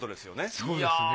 そうですね。